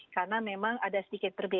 karena memang ada sedikit perbedaan